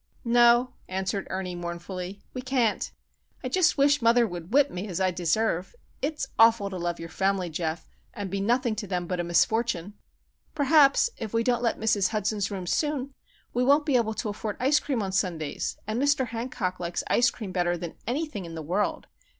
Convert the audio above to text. "No," answered Ernie, mournfully, "we can't. I just wish mother would whip me, as I deserve. It's awful to love your family, Geof, and be nothing to them but a misfortune. Perhaps, if we don't let Mrs. Hudson's room soon, we won't be able to afford ice cream on Sundays, and Mr. Hancock likes ice cream better than anything in the world.